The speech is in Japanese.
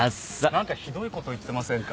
なんかひどい事言ってませんか？